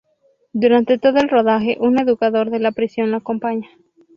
Durante todo el rodaje, un educador de la prisión lo acompaña.